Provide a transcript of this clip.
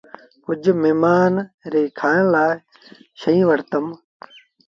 ڪجھ مهمآݩ ري کآڻ لآ شئيٚن وٺتم۔